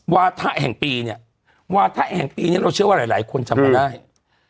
วาถะแห่งปีเนี่ยวาถะแห่งปีนี้เราเชื่อว่าหลายคนจำกันได้